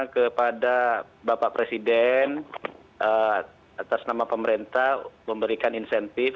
kepada bapak presiden atas nama pemerintah memberikan insentif